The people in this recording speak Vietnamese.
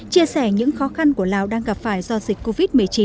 chia sẻ những khó khăn của lào đang gặp phải do dịch covid một mươi chín